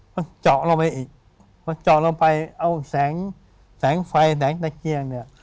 พระเจาะลงไปอีกพระเจาะลงไปเอาแสงไฟแสงตะเกียร์เนี่ย